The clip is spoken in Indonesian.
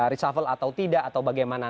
reshuffle atau tidak atau bagaimana